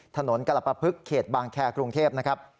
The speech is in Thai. ถนนกรปภึกเขตบางแคร์กรุงเทพนะครับ